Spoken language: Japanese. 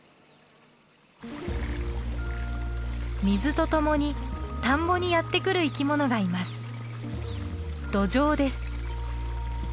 水と共に田んぼにやって来る生き物がいます。